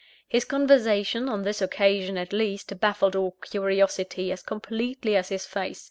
His conversation, on this occasion at least, baffled all curiosity as completely as his face.